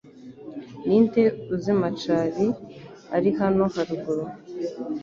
Ninde uzi Macari ari hano haruguru?